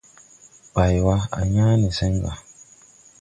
Baywa, a yãã ne seŋ ga.